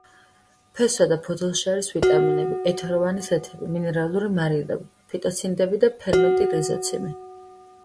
ფესვსა და ფოთოლში არის ვიტამინები, ეთეროვანი ზეთები, მინერალური მარილები, ფიტონციდები და ფერმენტი ლიზოციმი.